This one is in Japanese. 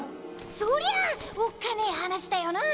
そりゃおっかねえ話だよな。